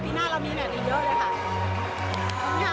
ปีหน้าเรามีแม่นอีกเยอะเลยค่ะ